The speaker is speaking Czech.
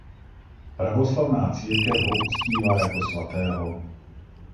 Pravoslavná církev ho uctívá jako svatého.